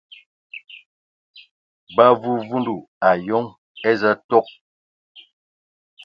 Ba vuvundu ayoŋ eza tok.